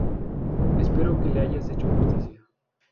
Espero que le hayas hecho justicia.